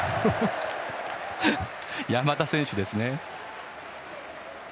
山田選手ですね。